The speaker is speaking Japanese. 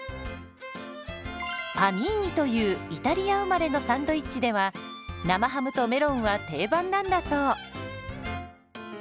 「パニーニ」というイタリア生まれのサンドイッチでは生ハムとメロンは定番なんだそう。